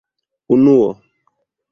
unuo